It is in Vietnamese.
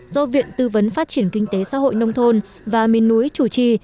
do viện tư vấn phát triển kinh tế xã hội nông thôn và miền núi chủ trì